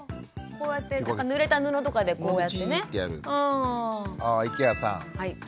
こうやってぬれた布とかでこうやってね。